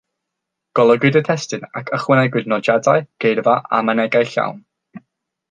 Golygwyd y testun ac ychwanegwyd nodiadau, geirfa a mynegai llawn.